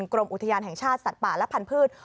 กรมอุทยานแห่งชาติสัตว์ป่าและพันธุ์